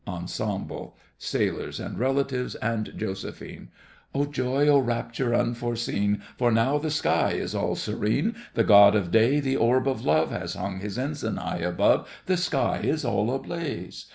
ENSEMBLE SAILORS and RELATIVES and JOSEPHINE Oh joy, oh rapture unforeseen, For now the sky is all serene; The god of day—the orb of love— Has hung his ensign high above, The sky is all ablaze.